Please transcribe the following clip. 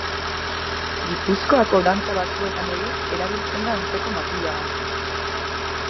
Gipuzkoako dantza batzuetan ere erabiltzen da antzeko makila bat.